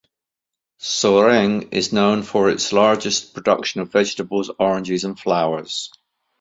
Soreng is known for its largest production of vegetables, oranges and flowers.